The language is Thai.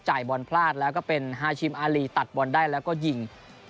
บอลพลาดแล้วก็เป็นฮาชิมอารีตัดบอลได้แล้วก็ยิง